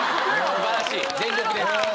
すばらしい全力です